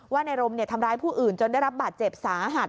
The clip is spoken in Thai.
ในรมทำร้ายผู้อื่นจนได้รับบาดเจ็บสาหัส